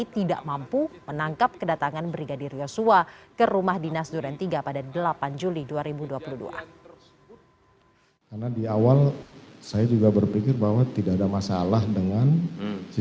terima kasih telah mampu menangkap kedatangan brigadir yosua ke rumah dinas duren tiga pada delapan juli dua ribu dua puluh dua